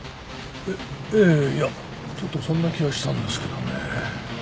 えっええいやちょっとそんな気がしたんですけどね。